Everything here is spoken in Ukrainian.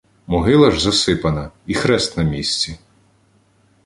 Могила ж засипана, і хрест на місці.